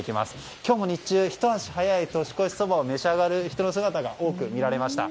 今日も日中、ひと足早い年越しそばを召し上がる人の姿が多く見られました。